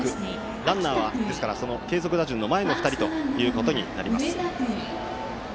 ランナーは継続打順の前の２人ということになります。